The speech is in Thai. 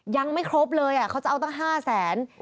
ยังไม่ครบเลยเขาจะเอาตั้ง๕แสน